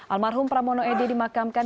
almarhum pramono edy dimakamkan